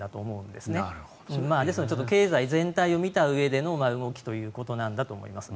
ですので経済全体を見たうえでの動きということなんだと思います。